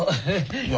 いや。